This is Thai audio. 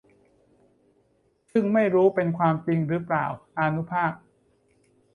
ซึ่งไม่รู้เป็นความจริงรึเปล่า อานุภาพ